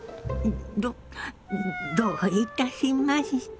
どどういたしまして。